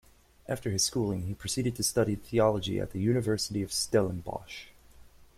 After his schooling, he proceeded to study theology at the University of Stellenbosch.